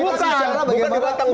bukan mungkin kalau kita buka